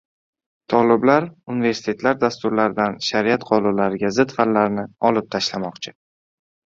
Toliblar universitetlar dasturlaridan shariat qonunlariga zid fanlarni olib tashlamoqchi